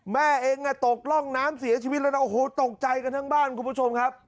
แม่เองรับเติบร่องน้ำเสียชีวิตแล้วโหตกใจกันทั้งบ้านครับมึงผู้ชมครับ